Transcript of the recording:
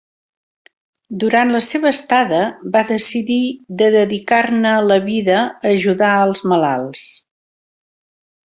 Durant la seva estada, va decidir de dedicar-ne la vida a ajudar els malalts.